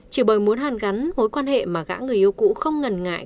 chỉ bởi muốn hàn gắn mối quan hệ mà gã người yêu cũ không ngần ngại